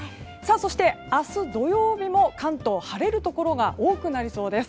そして、明日、土曜日も関東は晴れるところが多くなりそうです。